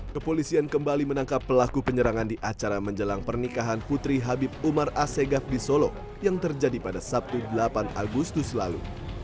kepolisian kembali menangkap pelaku penyerangan di acara menjelang pernikahan putri habib umar asegaf di solo yang terjadi pada sabtu delapan agustus lalu